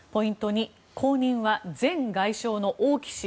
２後任は前外相の王毅氏。